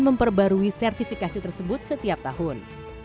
dan memperbarui sertifikasi tersebut setiap tahun